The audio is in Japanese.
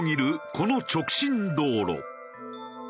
この直進道路。